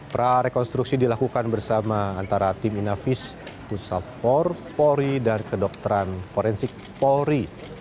prarekonstruksi dilakukan bersama antara tim inavis pusat for polri dan kedokteran forensik polri